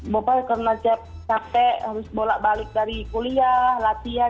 bapak karena capek harus bolak balik dari kuliah latihan